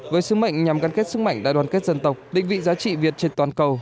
với sứ mệnh nhằm gắn kết sức mạnh đại đoàn kết dân tộc định vị giá trị việt trên toàn cầu